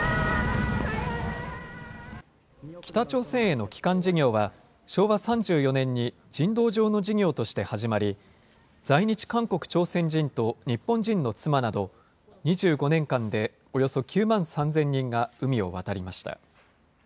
北朝鮮への帰還事業は、昭和３４年に人道上の事業として始まり、在日韓国・朝鮮人と日本人の妻など、２５年間でおよそ９万３０００人が海を渡りました。